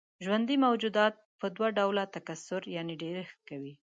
ژوندي موجودات په دوه ډوله تکثر يعنې ډېرښت کوي.